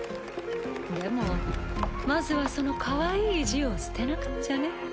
でもまずはそのかわいい意地を捨てなくっちゃね。